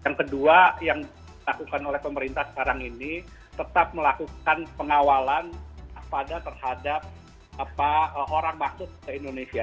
yang kedua yang dilakukan oleh pemerintah sekarang ini tetap melakukan pengawalan pada terhadap orang masuk ke indonesia